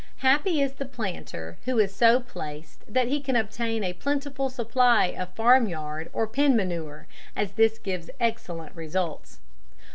Happy is the planter who is so placed that he can obtain a plentiful supply of farmyard or pen manure, as this gives excellent results.